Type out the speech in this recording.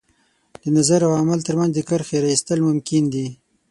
د نظر او عمل تر منځ د کرښې را ایستل ممکن دي.